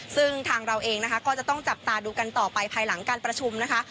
ซึ่งทางเราเองนะคะก็จะต้องจับตาดูกันต่อไปภายหลังการประชุมนะคะ